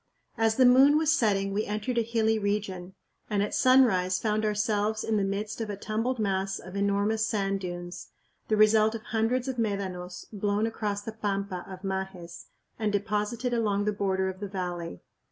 As the moon was setting we entered a hilly region, and at sunrise found ourselves in the midst of a tumbled mass of enormous sand dunes the result of hundreds of médanos blown across the pampa of Majes and deposited along the border of the valley.